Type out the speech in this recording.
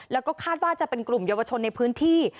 แล้วก็คาดว่าจะเป็นกลุ่มเยาวชนในพื้นที่